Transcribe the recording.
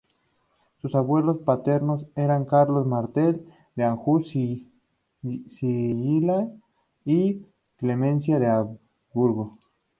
Sus abuelos paternos eran Carlos Martel de Anjou-Sicilia y Clemencia de Habsburgo.